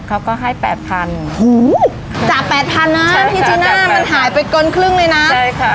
เขาก็ให้แปดพันจะแปดพันน่ะมันหายไปเกินครึ่งเลยน่ะใช่ค่ะ